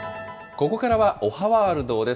ここからはおはワールドです。